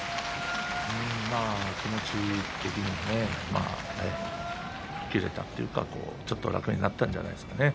まあ、気持ちはね吹っ切れたというかちょっと楽になったんじゃないですかね。